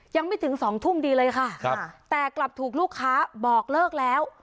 ยังไม่ถึงสองทุ่มดีเลยค่ะครับแต่กลับถูกลูกค้าบอกเลิกแล้ว